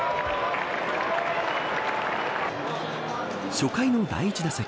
初回の第１打席。